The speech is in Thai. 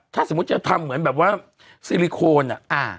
ถ้าสมมุติจะทำเหมือนแบบว่าซิลิโคนอ่ะอ่า